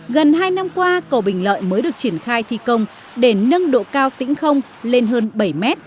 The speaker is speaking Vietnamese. gần hai năm qua cầu bình lợi mới được triển khai thi công để nâng độ cao tĩnh không lên hơn bảy m